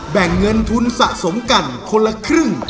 แบ่งเงินทุนสะสมกันคนละครึ่ง